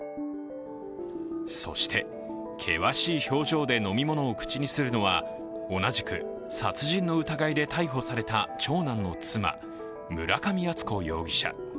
そして、険しい表情で飲み物を口にするのは同じく殺人の疑いで逮捕された長男の妻村上敦子容疑者。